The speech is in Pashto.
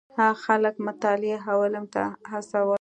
هغه خلک مطالعې او علم ته وهڅول.